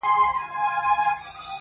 جام دي کم ساقي دي کمه بنګ دي کم،